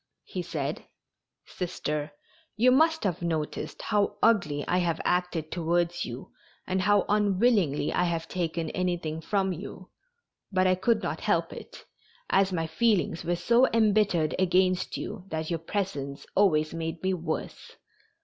He said: "Sister, you must have noticed how ugly I have acted towards you and how unwillingly I have taken anything from you, but I could not help it, as my feelings were so embittered against you that your presence always made me worse.